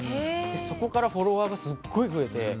そこからフォロワーがすっごい増えて。